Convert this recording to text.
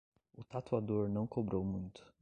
O tatuador não cobrou muito